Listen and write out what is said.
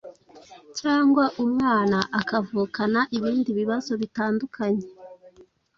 cyangwa umwana akavukana ibindi bibazo bitandukanye